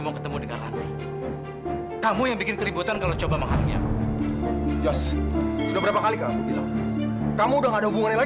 sampai jumpa di video selanjutnya